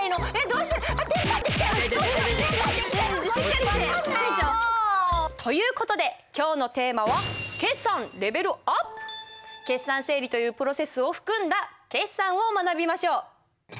どうしよう分かんないよ！という事で今日のテーマは決算整理というプロセスを含んだ決算を学びましょう。